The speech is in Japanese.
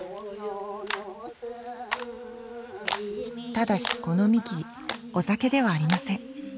ただしこのみきお酒ではありません。